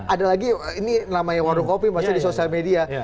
ada lagi ini namanya warung kopi maksudnya di sosial media